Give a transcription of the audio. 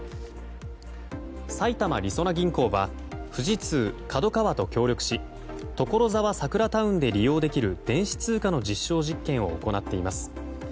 埼玉りそな銀行は富士通ＫＡＤＯＫＡＷＡと協力しところざわサクラタウンで利用できる電子通貨の実証実験を行っています。